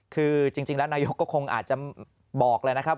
คือจริงแล้วนายกก็คงอาจจะบอกเลยนะครับ